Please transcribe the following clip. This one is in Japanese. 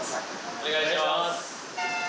お願いします！